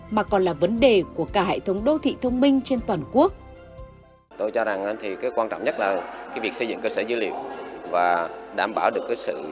mà còn là vấn đề của cả hệ thống đô thị thông minh trên toàn quốc